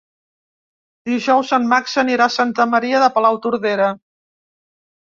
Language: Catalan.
Dijous en Max anirà a Santa Maria de Palautordera.